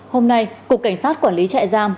hôm nay cục cảnh sát quản lý trại giam